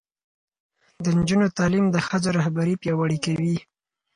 د نجونو تعلیم د ښځو رهبري پیاوړې کوي.